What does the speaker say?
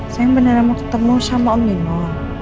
sayang beneran mau ketemu sama om nino